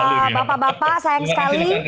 bapak bapak sayang sekali